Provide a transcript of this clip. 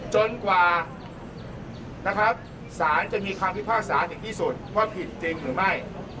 จนกว่านะครับสารจะมีคำพิพากษาถึงที่สุดว่าผิดจริงหรือไม่